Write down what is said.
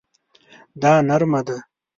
دا نرمه ده